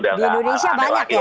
di indonesia banyak ya